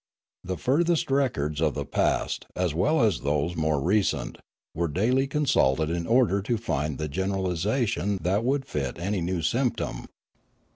The furthest records of the past, as well as those more recent, were daily consulted in order to find the generalisation that would fit any new symptom.